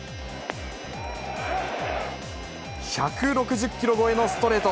１６０キロ超えのストレート。